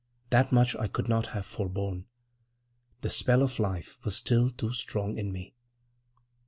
That much I could not have forborne; the spell of life was still too strong in me.